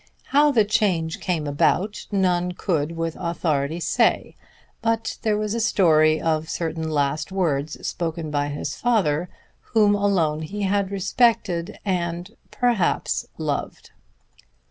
How the change came about none could with authority say, but there was a story of certain last words spoken by his father, whom alone he had respected and perhaps loved.